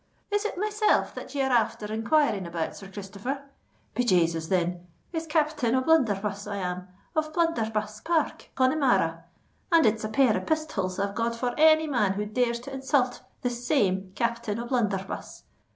"Is it myself that ye are afther enquiring about, Sir Christopher? Be Jasus, then—it's Capthain O'Bluntherbuss, I am—of Bluntherbuss Park, Connemara; and it's a pair of pisthols I've got for any man who dares to insulth that same Capthain O'Bluntherbuss.